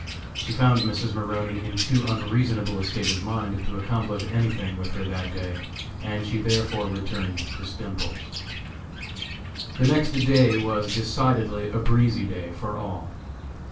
She found Mrs. Maroney in too unreasonable a state of mind to accomplish any thing with her that day, and she therefore returned to Stemples's. The next day was decidedly a breezy day for all.